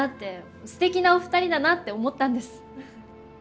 すてきなお二人だなって思ったんです。